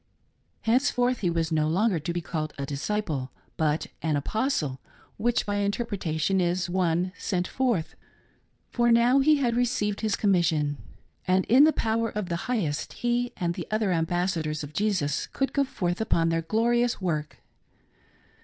Henceforth he was no longer to be called a disciple, but an " Apostle," which by interpretation is one "sent forth ;"— ^for now he had received his commission, and, in the power of the Highest, he, with the other Ambassadors of Jesus, could go forth upon their glorious work.